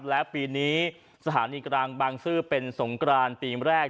และปีนี้สถานีกลางบางซื่อเป็นสงกรานปีแรก